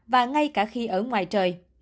và ngay cả khi ở ngoài trời